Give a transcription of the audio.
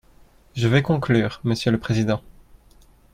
Je vais conclure, monsieur le président.